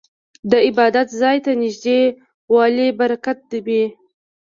د عبادت ځای ته نږدې والی برکت دی.